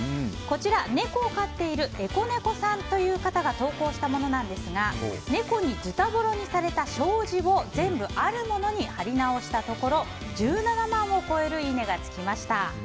こちら、猫を飼っているＥｃｏｎｅｃｏさんという方が投稿したものなんですが猫にズタボロにされた障子を全部あるものに張り直したところ１７万を超えるいいねが付きました。